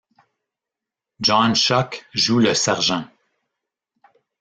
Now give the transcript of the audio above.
John Schuck joue le Sgt.